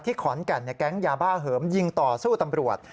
ขอนแก่นแก๊งยาบ้าเหิมยิงต่อสู้ตำรวจ